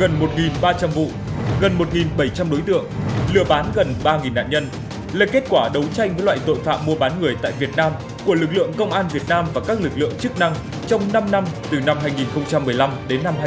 gần một ba trăm linh vụ gần một bảy trăm linh đối tượng lừa bán gần ba nạn nhân là kết quả đấu tranh với loại tội phạm mua bán người tại việt nam của lực lượng công an việt nam và các lực lượng chức năng trong năm năm từ năm hai nghìn một mươi năm đến năm hai nghìn một mươi tám